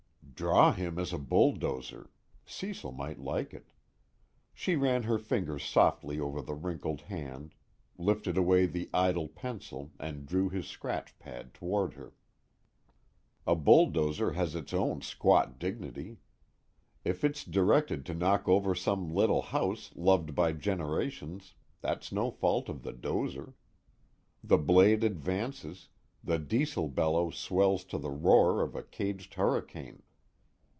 Draw him as a bulldozer Cecil might like it. She ran her fingers softly over the wrinkled hand, lifted away the idle pencil and drew his scratch pad toward her. A bulldozer has its own squat dignity. If it's directed to knock over some little house loved by generations, that's no fault of the dozer. The blade advances, the Diesel bellow swells to the roar of a caged hurricane.